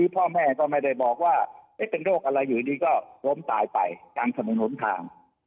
พ่อแม่ก็ไม่ได้บอกว่าเป็นโรคอะไรอยู่ดีก็ล้มตายไปทางถนนหนทาง